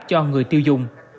cho người tiêu dùng